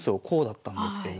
こうだったんです